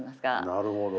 なるほど。